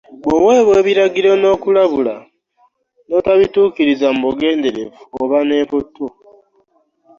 Bw'owebwa ebiragiro n'okulabula n'otabiwuliriza mubugendrevu oba ne mputu.